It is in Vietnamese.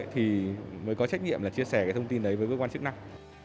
thì mới có trách nhiệm là chia sẻ cái thông tin đấy với cơ quan chức năng